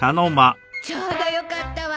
ちょうどよかったわ。